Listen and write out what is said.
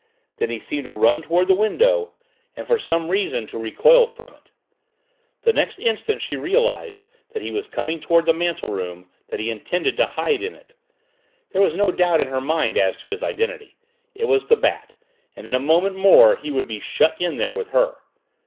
Then he seemed to run toward the window, and for some reason to recoil from it. The next instant she realized that he was coming toward the mantel room, that he intended to hide in it. There was no doubt in her mind as to his identity. It was the Bat, and in a moment more he would be shut in there with her.